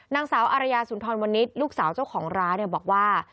นางสาวอารยาสุนทรวันนี้ลูกสาวเจ้าของร้านบอกว่า